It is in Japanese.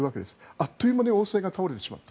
あっという間に王政が倒れてしまうと。